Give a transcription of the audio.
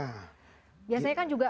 biasanya kan juga